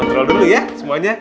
ngobrol dulu ya semuanya